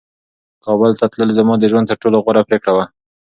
کابل ته تلل زما د ژوند تر ټولو غوره پرېکړه وه.